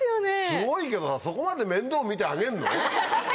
すごいけどそこまで面倒見てあげんの？